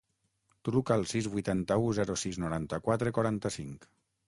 Truca al sis, vuitanta-u, zero, sis, noranta-quatre, quaranta-cinc.